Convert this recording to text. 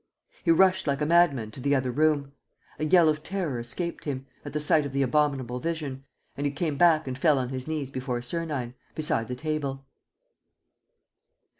He rushed like a madman to the other room. A yell of terror escaped him, at the sight of the abominable vision, and he came back and fell on his knees before Sernine, beside the table.